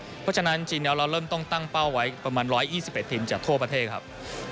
เพราะฉะนั้นจริงแล้วเราเริ่มต้องตั้งเป้าไว้ประมาณ๑๒๑ทีมจากทั่วประเทศครับ